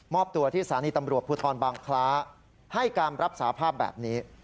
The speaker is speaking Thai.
อบตัวที่สถานีตำรวจภูทรบางคล้าให้การรับสาภาพแบบนี้